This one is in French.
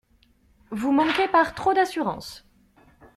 Vous manquez par trop d'assurance.